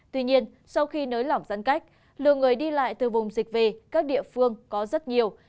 tuy nhiên sau khi nới lỏng giãn cách lượng người đi lại từ vùng dịch về các địa phương có rất nhiều